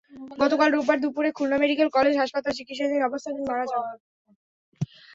গতকাল রোববার দুপুরে খুলনা মেডিকেল কলেজ হাসপাতালে চিকিৎসাধীন অবস্থায় তিনি মারা যান।